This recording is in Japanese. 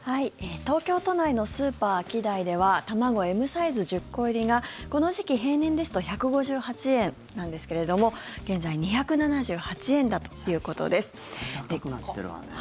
東京都内のスーパーアキダイでは卵Ｍサイズ１０個入りがこの時期、平年ですと１５８円なんですけれども高くなってるわね。